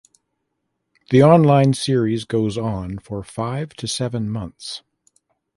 The Online Series goes on for five to seven months.